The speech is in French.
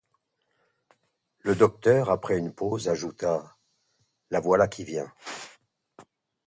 Le docteur, après une pause, ajouta: — La voilà qui vient.